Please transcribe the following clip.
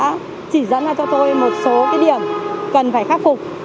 hôm nay thì các anh ấy đã chỉ dẫn ra cho tôi một số cái điểm cần phải khắc phục